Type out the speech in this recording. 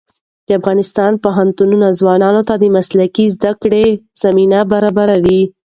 د افغانستان پوهنتونونه ځوانانو ته د مسلکي زده کړو زمینه برابروي.